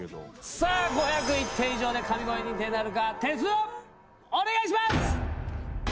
さあ、５０１点以上で神声認定なるか、点数をお願いします。